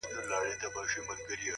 لوړ لید د امکاناتو افق پراخوي،